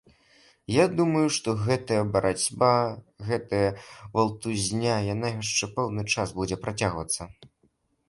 Я думаю, што гэтая барацьба, гэтая валтузня, яна яшчэ пэўны час будзе працягвацца.